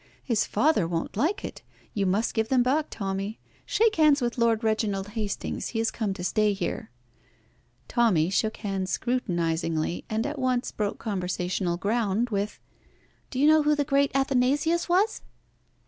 His father won't like it. You must give them back, Tommy. Shake hands with Lord Reginald Hastings. He has come to stay here." Tommy shook hands scrutinisingly, and at once broke conversational ground with "Do you know who the great Athanasius was?"